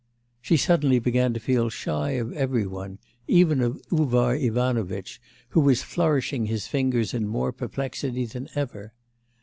She suddenly began to feel shy of every one, even of Uvar Ivanovitch, who was flourishing his fingers in more perplexity than ever.